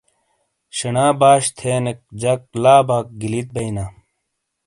شینا باشی تھینیک جک لا باک گلیت بیئینا۔